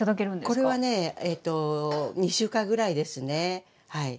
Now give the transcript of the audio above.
これはね２週間ぐらいですねはい。